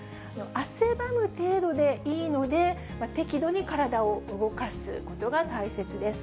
汗ばむ程度でいいので、適度に体を動かすことが大切です。